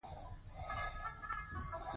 ایا زه باید فکري کار وکړم؟